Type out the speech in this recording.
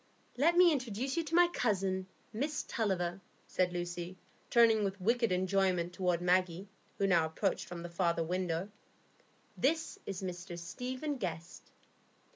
"Let me introduce you to my cousin, Miss Tulliver," said Lucy, turning with wicked enjoyment toward Maggie, who now approached from the farther window. "This is Mr Stephen Guest."